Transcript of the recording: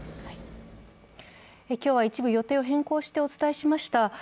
今日は一部、予定を変更してお伝えしました。